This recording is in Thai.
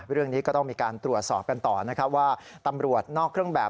เรื่องนี้ก็ต้องมีการตรวจสอบกันต่อนะครับว่าตำรวจนอกเครื่องแบบ